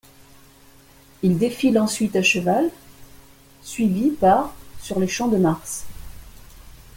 Il défile ensuite à cheval, suivi par sur les Champs de Mars.